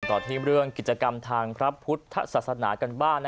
ต่อที่เรื่องกิจกรรมทางพระพุทธศาสนากันบ้าง